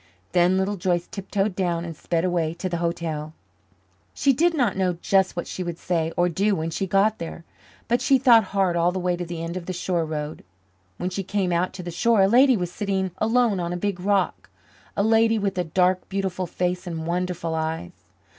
Then Little Joyce tiptoed down and sped away to the hotel. She did not know just what she would say or do when she got there, but she thought hard all the way to the end of the shore road. When she came out to the shore, a lady was sitting alone on a big rock a lady with a dark, beautiful face and wonderful eyes.